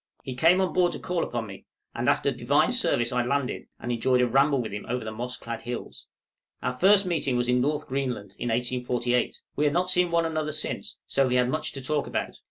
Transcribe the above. He came on board to call upon me, and after Divine service I landed, and enjoyed a ramble with him over the moss clad hills. Our first meeting was in North Greenland, in 1848; we had not seen one another since, so we had much to talk about.